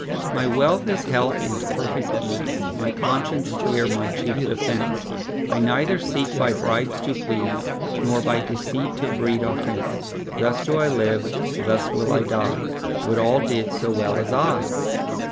My wealth is health and perfect ease, My conscience clear my chief defence;I neither seek by bribes to please, Nor by deceit to breed offence:Thus do I live; thus will I die; Would all did so as well as I!